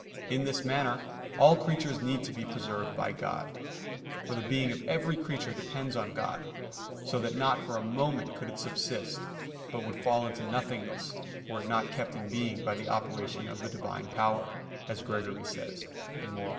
In this manner all creatures need to be preserved by God. For the being of every creature depends on God, so that not for a moment could it subsist, but would fall into nothingness were it not kept in being by the operation of the Divine power, as Gregory says (Moral.